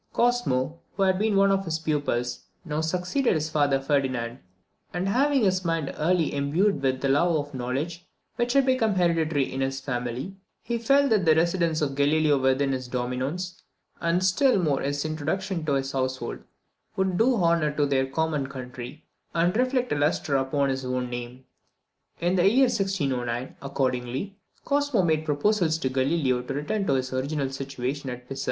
Cosmo, who had been one of his pupils, now succeeded his father Ferdinand; and having his mind early imbued with a love of knowledge, which had become hereditary in his family, he felt that the residence of Galileo within his dominions, and still more his introduction into his household, would do honour to their common country, and reflect a lustre upon his own name. In the year 1609, accordingly, Cosmo made proposals to Galileo to return to his original situation at Pisa.